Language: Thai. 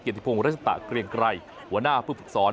เก่งทีพุงรัชดาเกรียงไกล